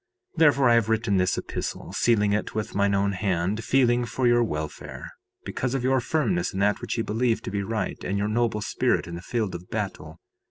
3:5 Therefore I have written this epistle, sealing it with mine own hand, feeling for your welfare, because of your firmness in that which ye believe to be right, and your noble spirit in the field of battle.